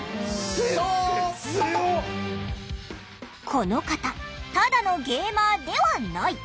この方ただのゲーマーではない。